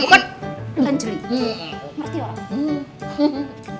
anjli ngerti ya orang